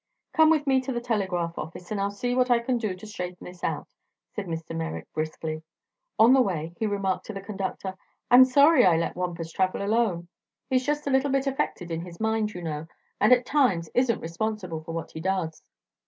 "Come with me to the telegraph office and I'll see what I can do to straighten this out," said Mr. Merrick briskly. On the way he remarked to the conductor: "I'm sorry I let Wampus travel alone. He's just a little bit affected in his mind, you know, and at times isn't responsible for what he does."